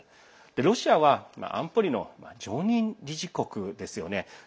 ロシアは安保理の常任理事国ですよね。